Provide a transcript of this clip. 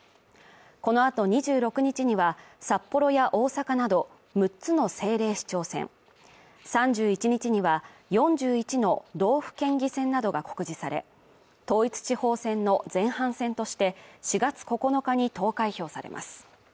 この後２６日には札幌や大阪など６つの政令市長選３１日には４１の道府県議選などが告示され、統一地方選の前半戦として４月９日に投開票されます。